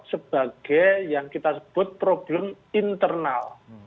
sebagai yang kita sebut problem internal